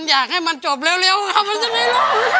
อยากให้มันจบเร็วทั้งทั้งทำมาด้วย